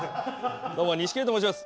どうも錦鯉と申します。